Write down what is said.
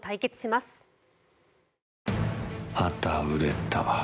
また売れた。